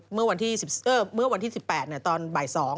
เมื่อวันที่๑๘ตอนบ่าย๒